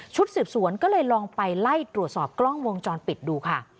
สืบสวนก็เลยลองไปไล่ตรวจสอบกล้องวงจรปิดดูค่ะ